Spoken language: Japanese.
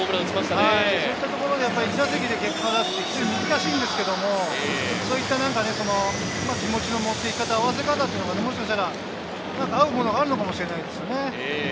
そういったところで１打席で結果を出すっていうのは難しいんですけれど、そういった中で気持ちの持っていき方、合わせ方っていうのが合うものがあるのかもしれないですね。